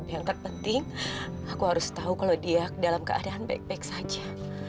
yang terpenting aku harus tahu kalau dia dalam keadaan baik baik saja